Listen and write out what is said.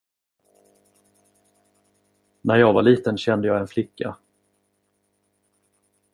När jag var liten kände jag en flicka.